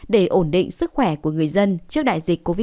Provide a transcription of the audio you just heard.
để ổn định sức khỏe của người dân trước đại dịch covid một mươi chín